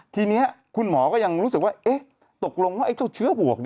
ทีนี้คุณหมอก็ยังรู้สึกว่าตกลงว่าไอ้เจ้าเชื้อบวก